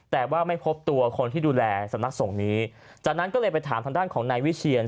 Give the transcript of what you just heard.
แต่ว่าไม่พบตัวคนที่ดูแลสำนักส่งนี้จากนั้นก็เลยไปถามทางด้านของนายวิเชียน